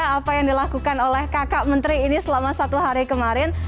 apa yang dilakukan oleh kakak menteri ini selama satu hari kemarin